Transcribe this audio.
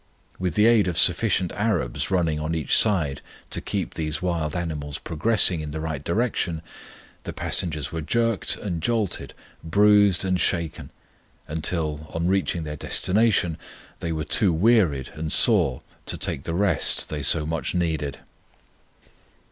With the aid of sufficient Arabs running on each side to keep these wild animals progressing in the right direction the passengers were jerked and jolted, bruised and shaken, until, on reaching their destination, they were too wearied and sore to take the rest they so much needed.